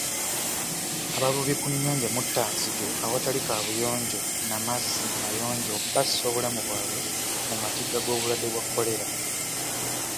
Abavubi ku nnyanja Muttanzige awatali kaabuyonjo na mazzi mayonjo bassa obulamu bwabwe mu matigga g'obulwadde bwa Kolera.